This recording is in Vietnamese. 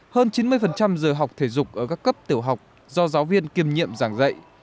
hơn chín mươi giờ học thể dục ở các cấp tiểu học do giáo viên kiềm nhiệm giảng dạy